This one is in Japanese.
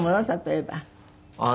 例えば。